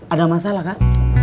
ada masalah kan